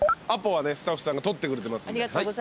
アポはねスタッフさんが取ってくれてますんで。